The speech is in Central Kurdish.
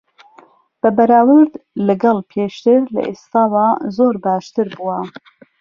بە بەراورد لەگەڵ پێشتر، لە ئێستاوە زۆر باشتر بووە.